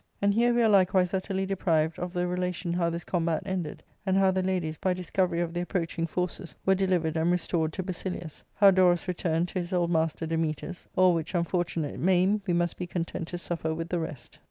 And here we are likewise utterly deprived of the relation hew this combat ended, and how the ladies, by discovery of the approaching forces, were delivered and restored to Basilius; how Dorus returned to his old master Dametas : all which unfortunate maim we must be content to suffer with the rest.